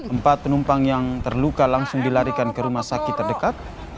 empat penumpang yang terluka langsung dilarikan ke rumah sakit terdekat